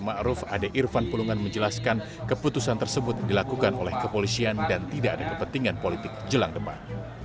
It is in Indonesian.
makruf ade irfan pulungan menjelaskan keputusan tersebut dilakukan oleh kepolisian dan tidak ada kepentingan politik jelang depan